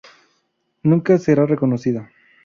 Nunca será reconocida.